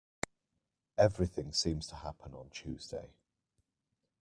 Everything seems to happen on Tuesday.